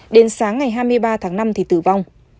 đến sáng ngày hai mươi ba tháng năm thì tử vong